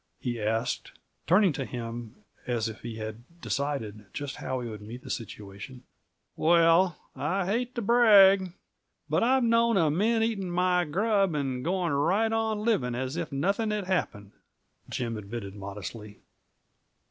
he asked, turning to him as if he had decided just how he would meet the situation. "Well, I hate to brag, but I've known of men eating my grub and going right on living as if nothing had happened," Jim admitted modestly.